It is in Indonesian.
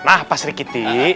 nah pak sri giti